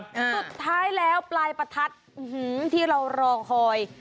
สุดท้ายแล้วปลายประทัดที่เรารอคอย